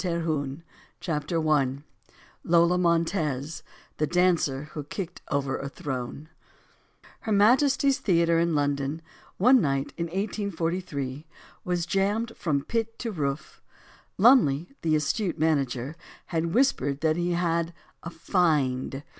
250 CHAPTER ONE LOLA MONTEZ THE DANCER WHO KICKED OVER A THRONE HER MAJESTY'S Theatre in London, one ni Ki in 1 843, was jammed from pit to roof. Lumley the astute manager, had whispered that he had a "find."